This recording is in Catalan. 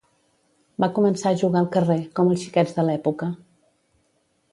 Va començar a jugar al carrer, com els xiquets de l'època.